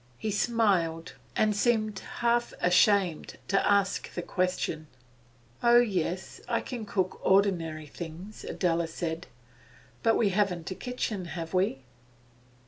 He smiled, and seemed half ashamed to ask the question. 'Oh yes; I can cook ordinary things,' Adela said. 'But we haven't a kitchen, have we?